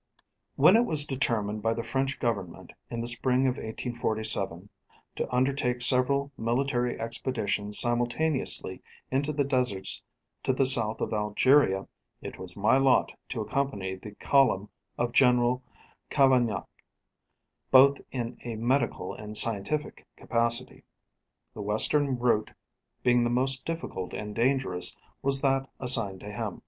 When it was determined by the French government in the spring of 1847, to undertake several military expeditions simultaneously into the deserts to the south of Algeria, it was my lot to accompany the column of General Cavaignac, both in a medical and scientific capacity. The western route, being the most difficult and dangerous, was that assigned to him.